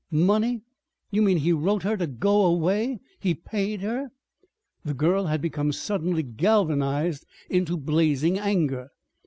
Money! You mean he wrote her to go away? He paid her?" The girl had become suddenly galvanized into blazing anger.